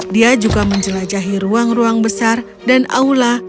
dia juga menjelajahi ruang ruang besar dan aula